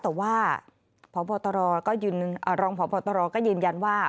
แต่ว่ารองพตก็ยืนยันว่า